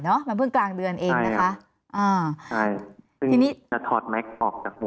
เนาะมันเพิ่งกลางเดือนเองนะคะใช่ครับใช่ซึ่งจะถอดแม็กซ์ออกจากหัว